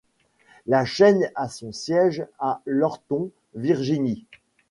La chaîne a son siège à Lorton, Virginie.